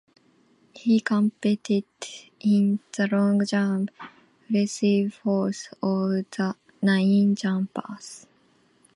He competed in the long jump, placing fourth of the nine jumpers.